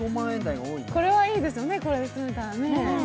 これはいいですね、ここに住めたらね。